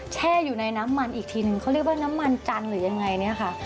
แช่อยู่ในน้ำมันอีกทีนึงเขาเรียกว่าน้ำมันจันทร์หรือยังไงเนี่ยค่ะ